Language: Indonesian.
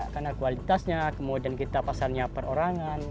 karena kualitasnya kemudian kita pasarnya per orangan gitu